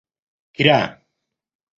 کرا.